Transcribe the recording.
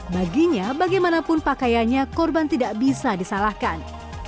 baginya bagaimanapun pakaiannya korban tidak bisa disalahkan